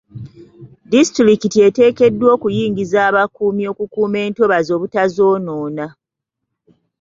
Disitulikiti eteekeddwa okuyingiza abakuumi okukuuma entobazi obutazonoona.